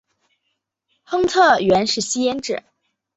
亨特原是吸烟者。